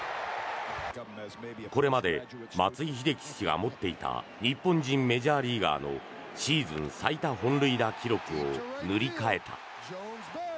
これまで松井秀喜氏が持っていた日本人メジャーリーガーのシーズン最多本塁打記録を塗り替えた。